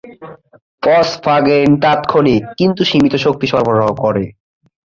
Phosphagen তাৎক্ষণিক কিন্তু সীমিত শক্তি সরবরাহ করে।